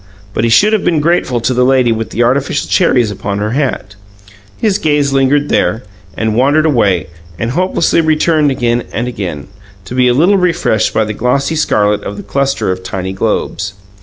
But he should have been grateful to the lady with the artificial cherries upon her hat. His gaze lingered there, wandered away, and hopelessly returned again and again, to be a little refreshed by the glossy scarlet of the cluster of tiny globes.